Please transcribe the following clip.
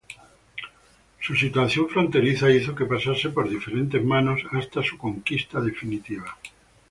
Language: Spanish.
Su situación fronteriza hizo que pasase por diferentes manos hasta su conquista definitiva.